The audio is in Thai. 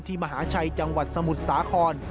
มหาชัยจังหวัดสมุทรสาคร